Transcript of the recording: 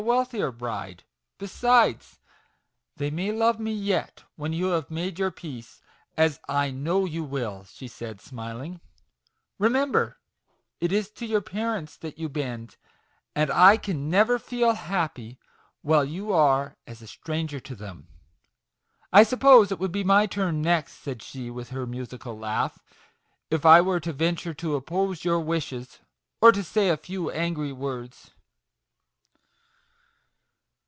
wealthier bride : besides, they may love me yet when you have made your peace, as I know you will," said she, smiling. " Remember, it is to your parents that you bend, and I never can feel happy while you are as a stranger to them. I suppose it would be my turn next," said she, with her musical laugh, " if I were to venture to oppose your wishes, or to say a few angry words."